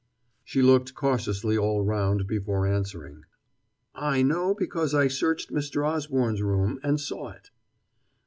She looked cautiously all round before answering. "I know because I searched Mr. Osborne's room, and saw it."